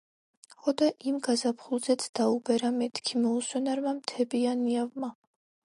ჰოდა იმ გაზაფხულზეც დაუბერა-მეთქი მოუსვენარმა მთებია ნიავმა.